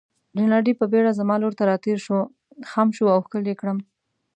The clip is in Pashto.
رینالډي په بېړه زما لور ته راتېر شو، خم شو او ښکل يې کړم.